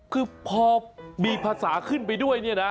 คือพอมีภาษาขึ้นไปด้วยเนี่ยนะ